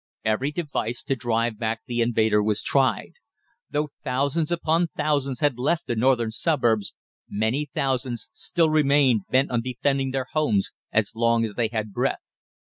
Every device to drive back the invader was tried. Though thousands upon thousands had left the northern suburbs, many thousands still remained bent on defending their homes as long as they had breath.